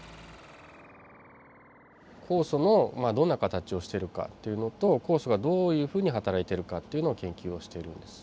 酵素のどんな形をしているかというのと酵素がどういうふうに働いているかっていうのを研究をしているんです。